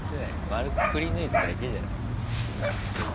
まるくくりぬいただけじゃない。